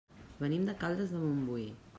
Venim de Caldes de Montbui.